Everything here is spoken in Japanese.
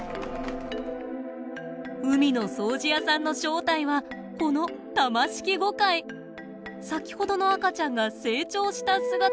海の掃除屋さんの正体はこの先ほどの赤ちゃんが成長した姿です。